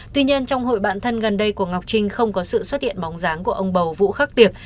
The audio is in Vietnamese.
tuy nhiên trong hội bạn thân gần đây của ngọc trinh không có sự xuất hiện bóng dáng của ông bầu vũ khắc tiệp